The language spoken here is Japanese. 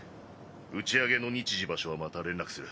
打ち上げの日時場所はまた連絡する。